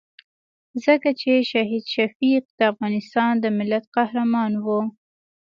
ځکه چې شهید شفیق د افغانستان د ملت قهرمان وو.